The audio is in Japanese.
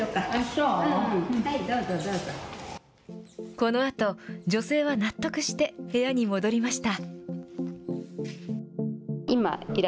このあと、女性は納得して部屋に戻りました。